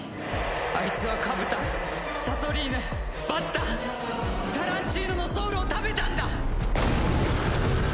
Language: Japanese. あいつはカブタンサソリーヌバッタタランチーノのソウルを食べたんだ！